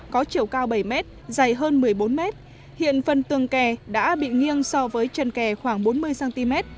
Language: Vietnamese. có chiều cao bảy mét dày hơn một mươi bốn mét hiện phần tường kè đã bị nghiêng so với chân kè khoảng bốn mươi cm